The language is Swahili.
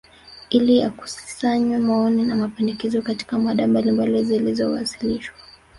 ili yakusanywe maoni na mapendekezo Katika mada mbalimbali zilizowasilishwa